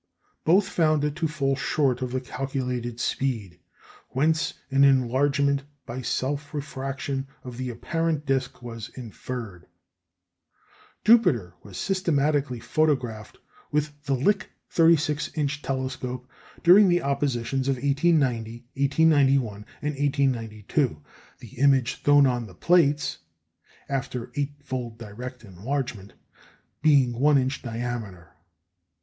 Both found it to fall short of the calculated speed, whence an enlargement, by self refraction, of the apparent disc was inferred. Jupiter was systematically photographed with the Lick 36 inch telescope during the oppositions of 1890, 1891, and 1892, the image thrown on the plates (after eightfold direct enlargement) being one inch in diameter.